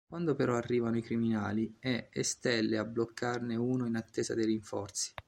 Quando però arrivano i criminali, è Estelle a bloccarne uno in attesa dei rinforzi.